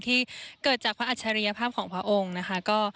ที่เกิดจากพระอัจฉริยภาพของพระองค์นะคะ